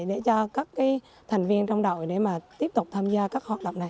để cho các thành viên trong đội để mà tiếp tục tham gia các hoạt động này